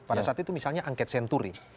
pada saat itu misalnya angket senturi